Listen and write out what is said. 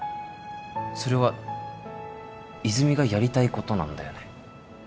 それは泉がやりたいことなんだよね？